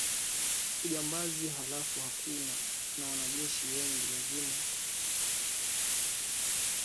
ujambazi halafu kuna wajeshi wengine lazima ukikutana nao wawanyanganye mafuta wachukue mchele hivyo vinatokea